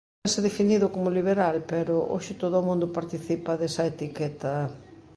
Tense definido como liberal, pero hoxe todo o mundo participa desa etiqueta...